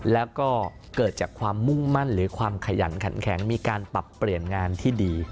แล้วก็เกิดจากความมุ่งมั่นหรือความขยันขันแข็งมีการปรับเปลี่ยนงานที่ดี